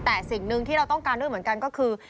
แต่สิ่งหนึ่งที่เราต้องการด้วยเหมือนกันก็คือ